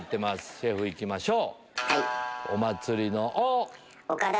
シェフ行きましょう！